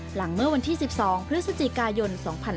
เมื่อวันที่๑๒พฤศจิกายน๒๕๕๙